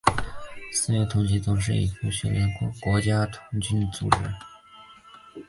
缅甸童军总会为缅甸的国家童军组织。